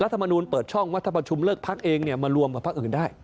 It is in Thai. มูลเปิดช่องว่าถ้าประชุมเลิกพักเองมารวมกับพักอื่นได้